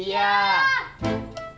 nggak ada lagi